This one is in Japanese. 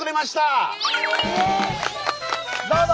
どうぞ！